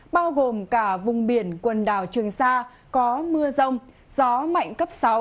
bao gồm cả vùng biển quần đảo trường sa có mưa rông gió mạnh cấp sáu